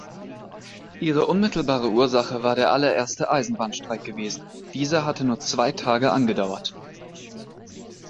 Ihre unmittelbare Ursache war der allererste Eisenbahnstreik gewesen. Dieser hatte nur zwei Tage angedauert.